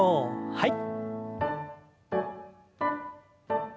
はい。